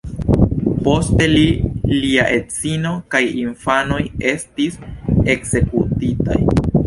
Poste li, lia edzino kaj infanoj estis ekzekutitaj.